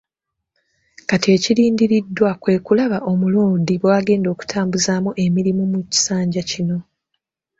Kati ekirindiriddwa kwe kulaba Omuloodi bw’agenda okutambuzaamu emirimu mu kisanja kino .